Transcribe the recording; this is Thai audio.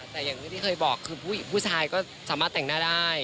แต่อย่างที่เคยบอกคือผู้ชายก็สามารถแต่งหน้าได้